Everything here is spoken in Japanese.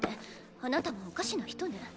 あなたもおかしな人ね。